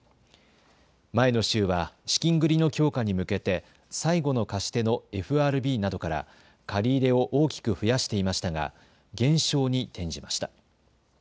前の週は資金繰りの強化に向けて最後の貸し手のＦＲＢなどから借り入れを大きく増やしていましたが減少に転じました。